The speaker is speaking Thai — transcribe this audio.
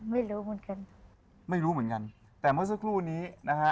ไม่รู้เหมือนกันไม่รู้เหมือนกันแต่เมื่อสักครู่นี้นะฮะ